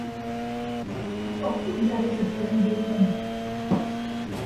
Mbọk kuuyadesịd ke mbuumo emi.